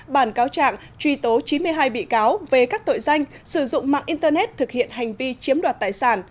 bản cáo trạng truy tố chín mươi hai bị cáo về các tội danh sử dụng mạng internet thực hiện hành vi chiếm đoạt tài sản